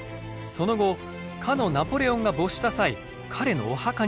その後かのナポレオンが没した際彼のお墓になりました。